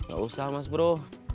gak usah mas bro